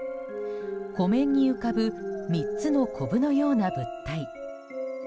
湖面に浮かぶ３つのコブのような物体。